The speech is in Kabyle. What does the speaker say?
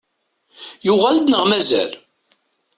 Yuɣal-d neɣ mazal?